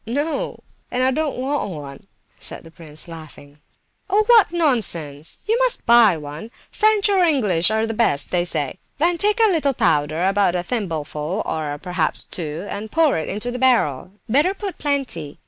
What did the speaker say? "No—and I don't want one," said the prince, laughing. "Oh, what nonsense! You must buy one. French or English are the best, they say. Then take a little powder, about a thimbleful, or perhaps two, and pour it into the barrel. Better put plenty.